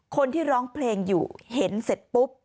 คนที่ร้องเพลงอยู่เห็นเสร็จปุ๊บ